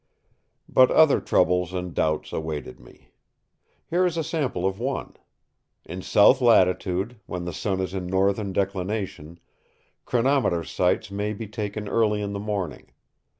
But other troubles and doubts awaited me. Here is a sample of one. In south latitude, when the sun is in northern declination, chronometer sights may be taken early in the morning.